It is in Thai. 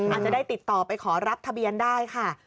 อาจจะได้ติดต่อไปขอรับทะเบียนได้ค่ะ